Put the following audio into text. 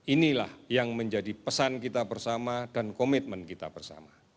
inilah yang menjadi pesan kita bersama dan komitmen kita bersama